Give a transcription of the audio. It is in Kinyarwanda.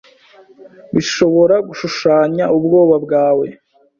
Bishobora gushushanya ubwoba bwawe